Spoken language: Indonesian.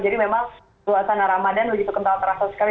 jadi memang suasana ramadan begitu kental terasa sekali